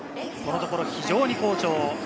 このところ非常に好調。